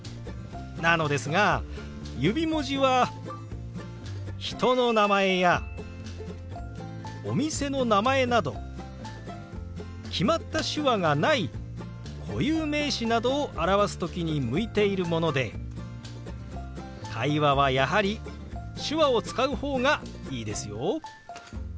なのですが指文字は人の名前やお店の名前など決まった手話がない固有名詞などを表す時に向いているもので会話はやはり手話を使う方がいいですよ。